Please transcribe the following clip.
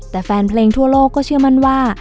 แต่แฟนเพลงทั่วโลกก็เชื่อมั่นว่า